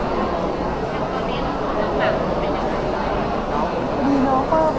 บางคนก็ก็ไม่ได้รอไร